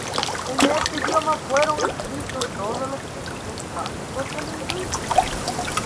En este idioma fueron escritos todos los textos clásicos del hinduismo.